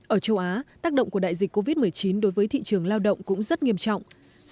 ở châu á tác động của đại dịch covid một mươi chín đối với thị trường lao động cũng rất nghiêm trọng